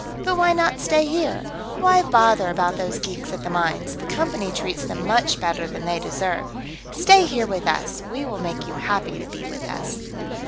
But why not stay here? Why bother about those geeks at the mines; the Company treats them much better than they deserve. Stay here with us; we will make you happy to be with us."